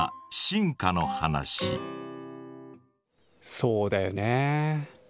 そうだよね。